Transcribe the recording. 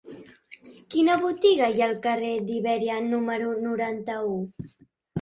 Quina botiga hi ha al carrer d'Ibèria número noranta-u?